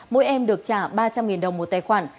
mỗi em được trả ba trăm linh đồng một tài khoản